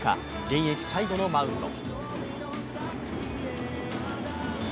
現役最後のマウンド。